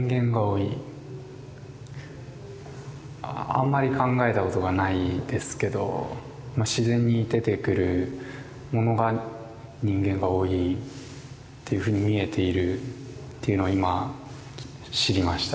あんまり考えたことがないですけどま自然に出てくるものが人間が多いというふうに見えているというのを今知りました。